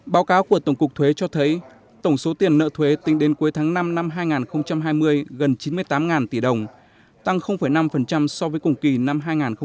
báo cáo của tổng cục thuế cho thấy tổng số tiền nợ thuế tính đến cuối tháng năm năm hai nghìn hai mươi gần chín mươi tám tỷ đồng tăng năm so với cùng kỳ năm hai nghìn một mươi chín